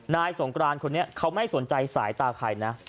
สงกรานคนนี้เขาไม่สนใจสายตาใครนะ